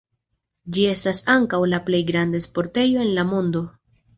Ĝi estas ankaŭ la plej granda sportejo en la mondo.